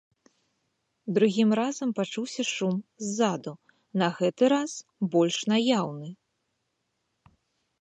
Другім разам пачуўся шум ззаду, на гэты раз больш наяўны.